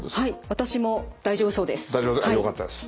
私も大丈夫そうです。